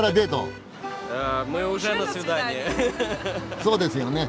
そうですよね。